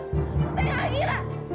bisa lupain ya